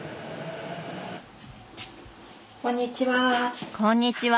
こんにちは。